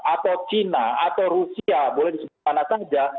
atau china atau rusia boleh disebut mana saja